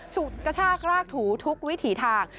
สุดกระชากรากถูทุกวิถีทาง